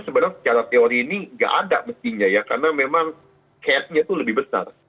sebenarnya secara teori ini nggak ada mestinya ya karena memang capnya itu lebih besar